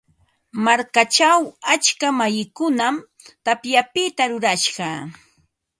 Markachaw atska wayikunam tapyapita rurashqa.